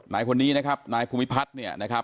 นายคนนี้นะครับนายภูมิพัฒน์เนี่ยนะครับ